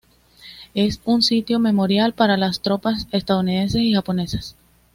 Es un sitio memorial para las tropas estadounidenses y japonesas.